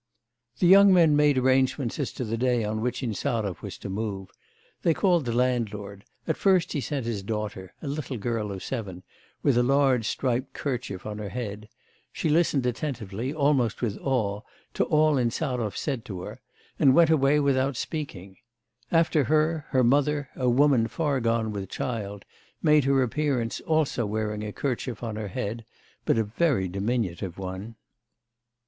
The young men made arrangements as to the day on which Insarov was to move. They called the landlord; at first he sent his daughter, a little girl of seven, with a large striped kerchief on her head; she listened attentively, almost with awe, to all Insarov said to her, and went away without speaking; after her, her mother, a woman far gone with child, made her appearance, also wearing a kerchief on her head, but a very diminutive one.